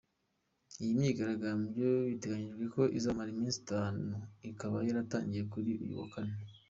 Iyi myigaragabyo biteganyijweko izamara iminsi itanu ikaba yaratangiye kuri uyu wa kane.